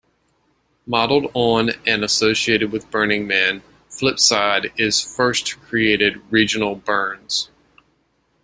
Modeled on and associated with Burning Man, Flipside is First created Regional Burns.